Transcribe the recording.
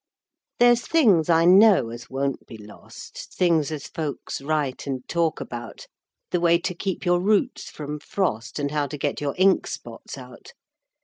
There's things, I know, as won't be lost, Things as folks write and talk about: The way to keep your roots from frost, And how to get your ink spots out.